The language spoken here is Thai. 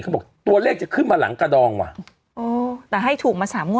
เขาบอกตัวเลขจะขึ้นมาหลังกระดองว่ะแต่ให้ถูกมา๓งวดติดกันแล้ว